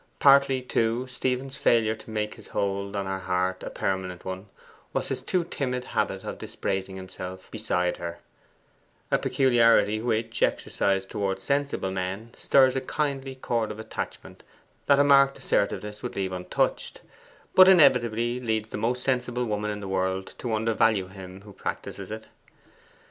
Partly, too, Stephen's failure to make his hold on her heart a permanent one was his too timid habit of dispraising himself beside her a peculiarity which, exercised towards sensible men, stirs a kindly chord of attachment that a marked assertiveness would leave untouched, but inevitably leads the most sensible woman in the world to undervalue him who practises it.